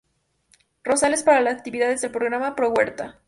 Rosales para las actividades del Programa Pro-huerta.